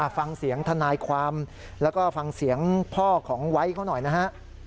ฟังเสียงทนายความแล้วก็ฟังเสียงพ่อของไว้เขาหน่อยนะฮะ